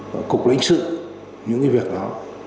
và cục lĩnh sự những việc đó